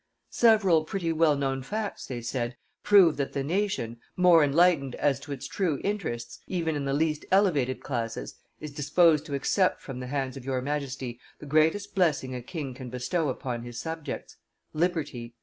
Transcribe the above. "Several pretty well known facts," they said, "prove that the nation, more enlightened as to its true interests, even in the least elevated classes, is disposed to accept from the hands of your Majesty the greatest blessing a king can bestow upon his subjects liberty.